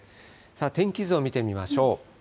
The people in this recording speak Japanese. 天気図を見てみましょう。